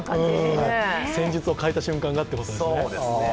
戦術を変えた瞬間がということですね。